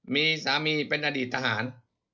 มีสามีเป็นอดีตทหาร